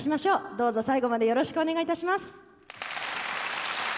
どうぞ最後までよろしくお願いいたします。